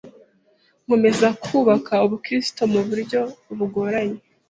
nkomeza kubaka ubu kristo mu buryo bugoranye